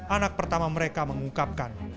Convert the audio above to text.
anak pertama mereka mengungkapkan